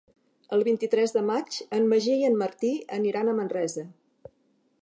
El vint-i-tres de maig en Magí i en Martí aniran a Manresa.